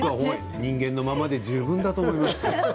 人間のままで大丈夫だと思いますよ。